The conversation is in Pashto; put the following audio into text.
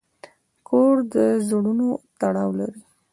کور د زړونو تړاو لري.